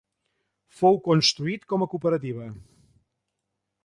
Fou construït com a cooperativa.